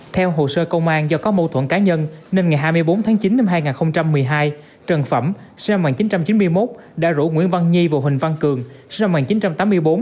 theo hồ sơ công an do có mâu thuẫn cá nhân nên ngày hai mươi bốn tháng chín năm hai nghìn một mươi hai trần phẩm sinh năm một nghìn chín trăm chín mươi một đã rủ nguyễn văn nhi và huỳnh văn cường sinh năm một nghìn chín trăm tám mươi bốn